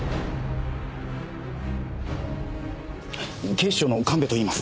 警視庁の神戸といいます。